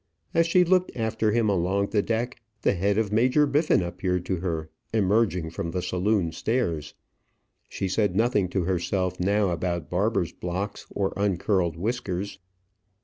As she looked after him along the deck, the head of Major Biffin appeared to her, emerging from the saloon stairs. She said nothing to herself now about barber's blocks or uncurled whiskers.